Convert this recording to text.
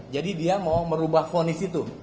jadi dia mau merubah ponis itu